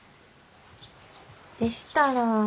でしたら。